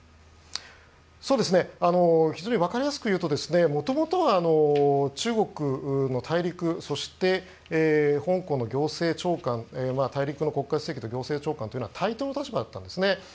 非常に分かりやすく言うともともとは中国の大陸そして、香港の行政長官大陸の国家主席と行政長官というのは対等の立場だったんですね。